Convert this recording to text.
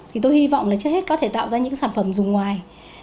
thì tôi hy vọng là trước hết có thể tạo ra những sản phẩm dùng ngoài